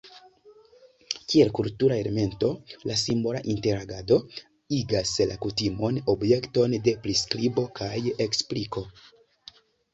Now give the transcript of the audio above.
Kiel kultura elemento la simbola interagado igas la kutimon objekton de priskribo kaj ekspliko.